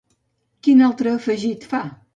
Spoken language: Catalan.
Quin altre afegit fa?